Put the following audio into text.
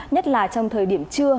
nhất là trong thời điểm trưa